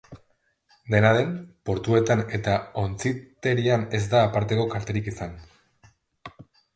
Dena den, portuetan eta ontziterian ez da aparteko kalterik izan.